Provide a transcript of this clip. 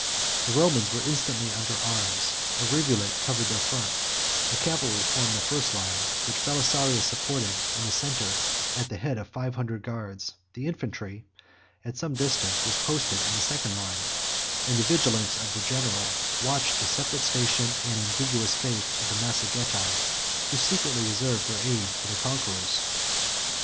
The Romans were instantly under arms; a rivulet covered their front; the cavalry formed the first line, which Belisarius supported in the centre, at the head of five hundred guards; the infantry, at some distance, was posted in the second line; and the vigilance of the general watched the separate station and ambiguous faith of the Massagetae, who secretly reserved their aid for the conquerors.